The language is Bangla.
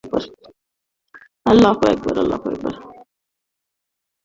কিন্তু এসবের সামান্য দলিল-প্রমাণও নেই।